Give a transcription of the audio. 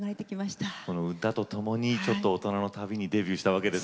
この歌とともにちょっと大人の旅にデビューしたわけですね。